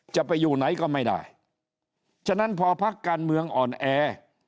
จะไปอยู่ไหนก็ไม่ได้ฉะนั้นพอพักการเมืองอ่อนแอ